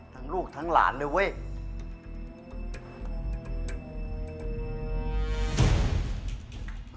ลูกทั้งหลานเลยเว้ย